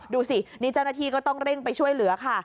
ดูสินิจนาทีก็ต้องเร่งไปช่วยเหลือค่ะ